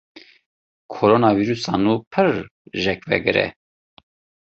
Koronavîrusa nû pir jêkvegir e.